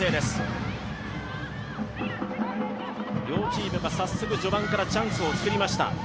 両チームが早速序盤からチャンスを作りました。